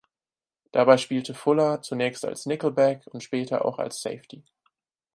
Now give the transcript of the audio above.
Dabei spielte Fuller zunächst als Nickelback und später auch als Safety.